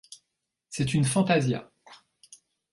C’est une fantasia.